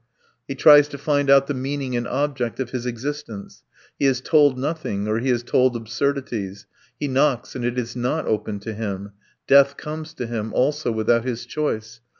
He tries to find out the meaning and object of his existence; he is told nothing, or he is told absurdities; he knocks and it is not opened to him; death comes to him also without his choice.